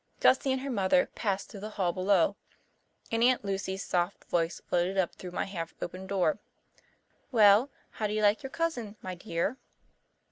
Gussie and her mother passed through the hall below, and Aunt Lucy's soft voice floated up through my half open door. "Well, how do you like your cousin, my dear?"